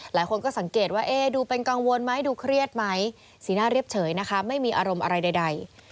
หลายคนก็สังเกตว่าดูเป็นกังวลไหมดูเครียดไหมสีหน้าเรียบเฉยนะคะไม่มีอารมณ์อะไรใด